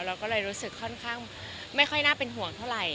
เราก็เลยรู้สึกค่อนข้างไม่ค่อยน่าเป็นห่วงเท่าไหร่